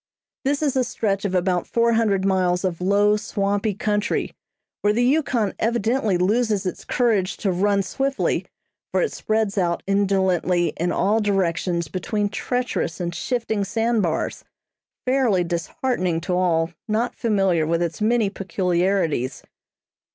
This is a stretch of about four hundred miles of low, swampy country, where the Yukon evidently loses its courage to run swiftly, for it spreads out indolently in all directions between treacherous and shifting sand bars, fairly disheartening to all not familiar with its many peculiarities.